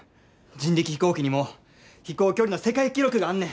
人力飛行機にも飛行距離の世界記録があんねん。